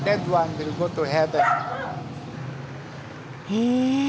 へえ。